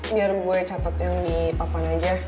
biar gue catat yang di papan aja